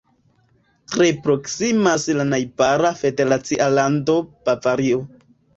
Tre proksimas la najbara federacia lando Bavario.